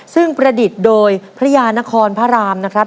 ซึ่งประดิษฐ์โดยพระยานครพระรามนะครับ